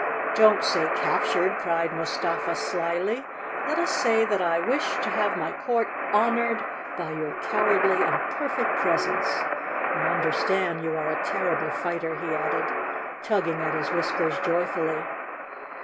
"Don't say captured," cried Mustafa slyly. "Let us say that I wished to have my court honored by your cowardly and perfect presence. I understand you are a terrible fighter," he added, tugging at his whiskers joyfully.